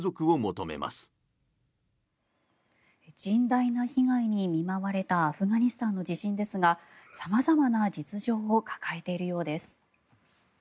甚大な被害に見舞われたアフガニスタンの地震ですが様々な実情を抱えているようです。